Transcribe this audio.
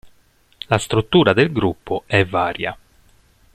La struttura del gruppo è varia.